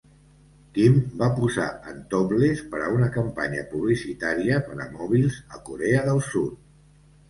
Kim va posar en topless per a una campanya publicitària per a mòbils a Corea del Sud.